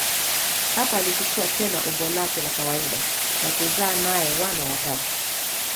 Hapa alichukua tena umbo lake la kawaida na kuzaa naye wana watatu.